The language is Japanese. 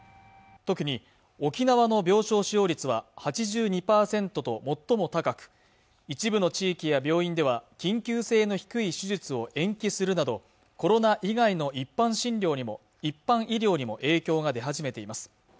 特に沖縄の病床使用率は８２％と最も高く一部の地域や病院では緊急性の低い手術を延期するなどコロナ以外の一般医療にも影響が出始めています